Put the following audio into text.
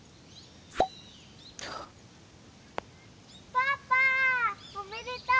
「パパおめでとう！